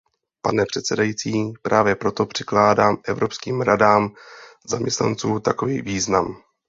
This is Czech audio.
Pane předsedající, právě proto přikládám evropským radám zaměstnanců takový význam.